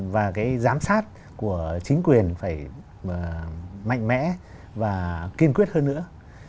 và cái giám sát của chính quyền phải mạnh mẽ và kiên quyết hơn nữa